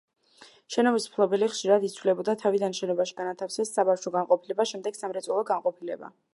შენობის მფლობელი ხშირად იცვლებოდა, თავიდან შენობაში განათავსეს საბავშვო განყოფილება, შემდეგ სამრეწველო განყოფილება.